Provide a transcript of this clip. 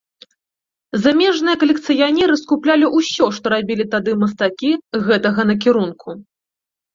Замежныя калекцыянеры скуплялі ўсё, што рабілі тады мастакі гэтага накірунку.